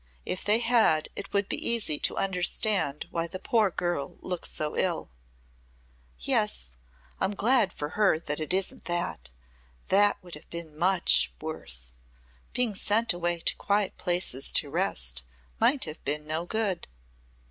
If they had it would be easy to understand why the poor girl looks so ill." "Yes, I'm glad for her that it isn't that. That would have been much worse. Being sent away to quiet places to rest might have been no good."